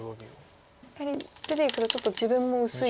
やはり出ていくとちょっと自分も薄いと。